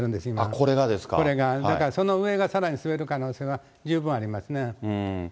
これがです、だからその上がさらに滑る可能性は十分ありますね。